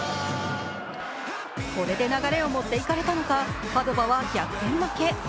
これで流れを持って行かれたのかパドヴァは逆転負け。